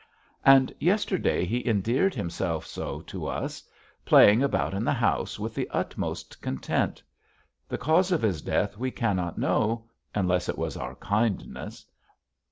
And yesterday he endeared himself so to us, playing about in the house with the utmost content. The cause of his death we cannot know unless it was our kindness.